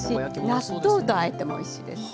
納豆とあえてもおいしいです。